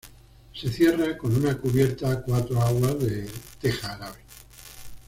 Se cierra con una cubierta a cuatro aguas de teja árabe.